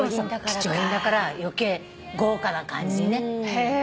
貴重品だから余計豪華な感じに。